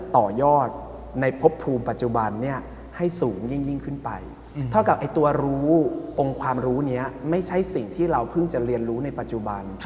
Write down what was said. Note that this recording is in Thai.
เท่ากับตัวรู้องค์ความรู้นี้ไม่ใช่สิ่งที่เราเพิ่งจะเรียนรู้ในปัจจุบัน